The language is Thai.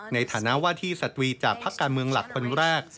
ในฐานะว่าที่สตรีจากพักการเมืองหลักคนแรก